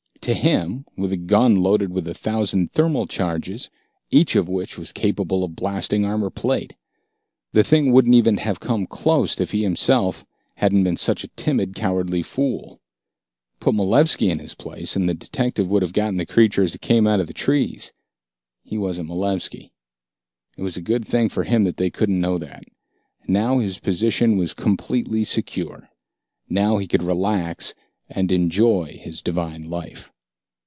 To him, with a gun loaded with a thousand thermal charges each of which was capable of blasting armor plate. The thing wouldn't even have come close if he himself hadn't been such a timid, cowardly fool. Put Malevski in his place, and the detective would have got the creature as it came out of the trees. He wasn't Malevski. It was a good thing for him that they couldn't know that. Now his position was completely secure. Now he could relax and enjoy his divine life.